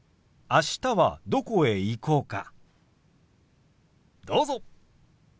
あしたはどこへ行こうか？